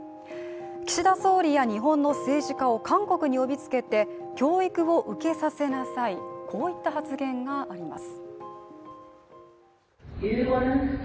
岸田総理や日本の政治家を韓国に呼びつけて教育を受けさせなさい、こういった発言があります。